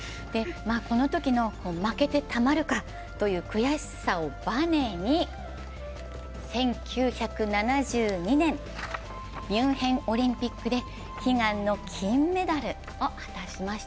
このときの負けてたまるかという悔しさをバネに、１９７２年、ミュンヘンオリンピックで悲願の金メダルを果たしました。